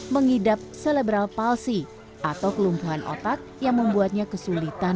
mengidap selebral palsi atau kelumpuhan otak yang membuatnya kesulitan